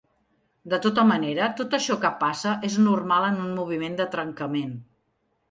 De tota manera, tot això que passa és normal en un moviment de trencament.